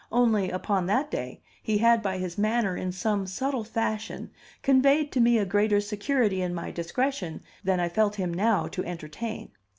Only, upon that day, he had by his manner in some subtle fashion conveyed to me a greater security in my discretion than I felt him now to entertain.